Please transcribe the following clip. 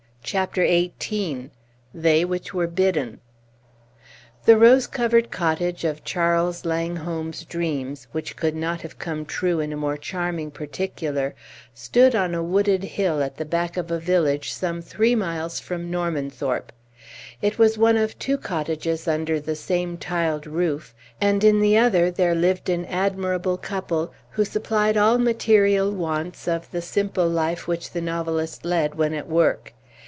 CHAPTER XVIII "THEY WHICH WERE BIDDEN" The rose covered cottage of Charles Langholm's dreams, which could not have come true in a more charming particular, stood on a wooded hill at the back of a village some three miles from Normanthorpe. It was one of two cottages under the same tiled roof, and in the other there lived an admirable couple who supplied all material wants of the simple life which the novelist led when at work.